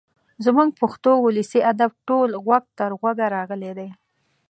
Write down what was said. زموږ پښتو ولسي ادب ټول غوږ تر غوږه راغلی دی.